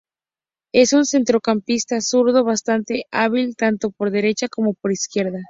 Es un centrocampista zurdo bastante hábil tanto por derecha como por izquierda.